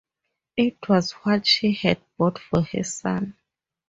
It was what she had bought for her son.